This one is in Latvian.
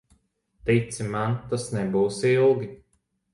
Tici man, tas nebūs ilgi.